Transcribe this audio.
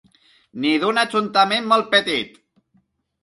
Ni d’un ajuntament molt petit.